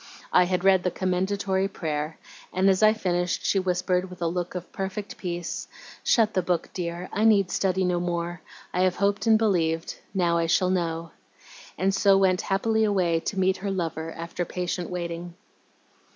I had read the Commendatory Prayer, and as I finished she whispered, with a look of perfect peace, 'Shut the book, dear, I need study no more; I have hoped and believed, now I shall know;' and so went happily away to meet her lover after patient waiting."